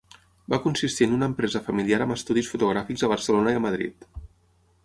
Va consistir en una empresa familiar amb estudis fotogràfics a Barcelona i a Madrid.